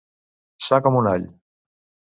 Sa com un all.